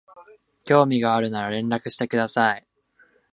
興味があるなら連絡してください